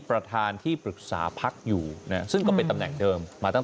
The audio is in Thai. ประธานที่ปรึกษาพักอยู่ซึ่งก็เป็นตำแหน่งเดิมมาตั้ง